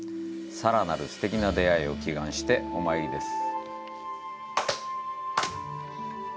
さらなるすてきな出会いを祈願して、お参りです。